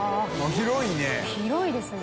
広いですね。